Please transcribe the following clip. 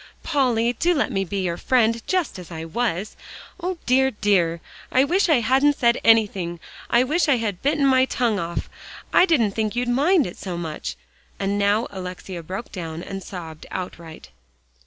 Polly, do let me be your friend just as I was. O, dear, dear! I wish I hadn't said anything I wish I had bitten my tongue off; I didn't think you'd mind it so much," and now Alexia broke down, and sobbed outright.